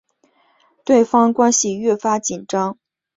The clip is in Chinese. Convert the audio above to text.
双方关系顿时紧张起来。